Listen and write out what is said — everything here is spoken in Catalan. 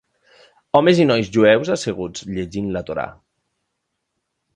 Homes i nois jueus asseguts llegint la Torà.